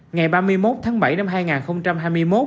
ngày ba mươi một tháng bảy năm hai nghìn hai mươi một